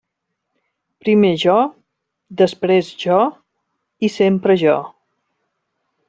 Primer jo, després jo i sempre jo.